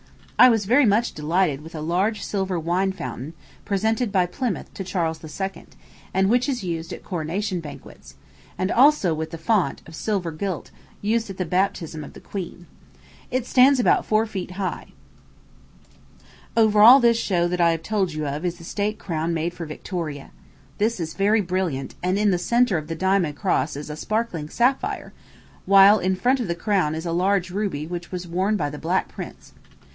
I was very much delighted with a large silver wine fountain, presented by Plymouth to Charles II., and which is used at coronation banquets; and also with the font, of silver gilt; used at the baptism of the Queen. It stands about four feet high. Over all this show that I have told you of is the state crown made for Victoria. This is very brilliant, and in the centre of the diamond cross is a sparkling sapphire, while in front of the crown is a large ruby which was worn by the Black Prince.